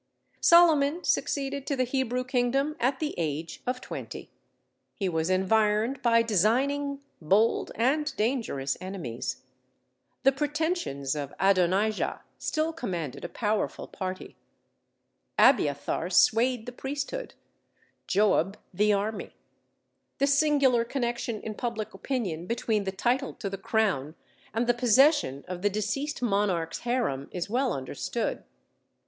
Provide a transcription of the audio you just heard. Solomon succeeded to the Hebrew kingdom at the age of twenty. He was environed by designing, bold, and dangerous enemies. The pretensions of Adonijah still commanded a powerful party: Abiathar swayed the priesthood; Joab the army. The singular connection in public opinion between the title to the crown and the possession of the deceased monarch's harem is well understood.